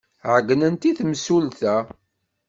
Ɛeyynen i temsulta.